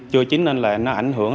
chưa chín nên là nó ảnh hưởng